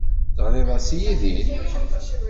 Teɣrid-as i Yidir?